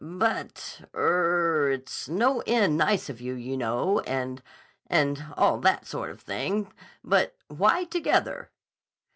"But—er—it's no end nice of you, you know, and—and all that sort of thing. But why together?"